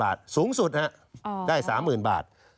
๓๐๐๐๐บาทสูงสุดนะได้๓๐๐๐๐บาท